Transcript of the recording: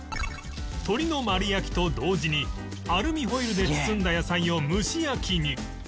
鶏の丸焼きと同時にアルミホイルで包んだ野菜を蒸し焼きに